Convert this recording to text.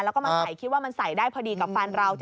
แล้วก็มาใส่คิดว่ามันใส่ได้พอดีกับฟันเรา